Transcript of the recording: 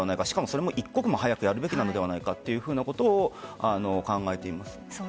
それも一刻も早くやるべきなのではないかということを考えています。